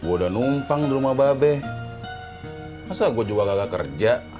udah numpang rumah babe masa gue juga gak kerja